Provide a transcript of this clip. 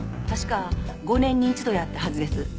確か５年に一度やったはずです。